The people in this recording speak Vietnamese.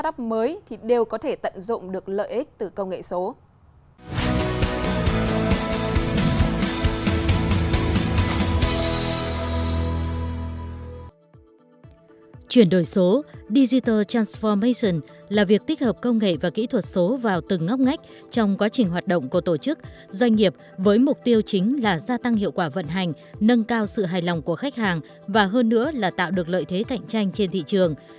data transformation là việc tích hợp công nghệ và kỹ thuật số vào từng ngóc ngách trong quá trình hoạt động của tổ chức doanh nghiệp với mục tiêu chính là gia tăng hiệu quả vận hành nâng cao sự hài lòng của khách hàng và hơn nữa là tạo được lợi thế cạnh tranh trên thị trường